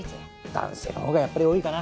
男性のほうがやっぱり多いかな。